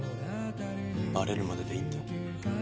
バレるまででいいんだ。